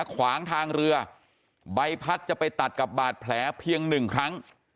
ขวางทางเรือใบพัดจะไปตัดกับบาดแผลเพียงหนึ่งครั้ง